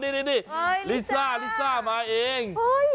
นี่ลิซ่าลิซ่ามาเอง